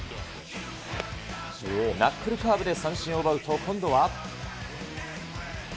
ナックルカーブで三振を奪うと今度は。